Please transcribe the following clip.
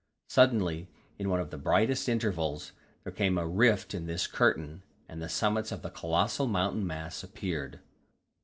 Suddenly, in one of the brightest intervals, there came a rift in this curtain, and the summits of a colossal mountain mass appeared.